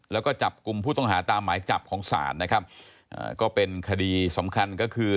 แล้วก็จับกลุ่มผู้ต้องหาตามหมายจับของศาลนะครับอ่าก็เป็นคดีสำคัญก็คือ